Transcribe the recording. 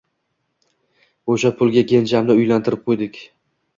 O`sha pulga kenjamni uylantirib qo`ydik